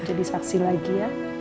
mau jadi saksi lagi ya